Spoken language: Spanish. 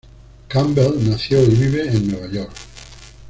Campbell nació y vive en Nueva York.